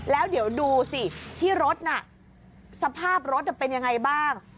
แล้วเดี๋ยวดูสิที่รถน่ะสภาพรถเป็นยังไงบ้าง